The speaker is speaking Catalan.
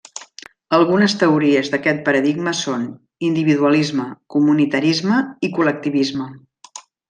Algunes teories d'aquest paradigma són: individualisme, comunitarisme i col·lectivisme.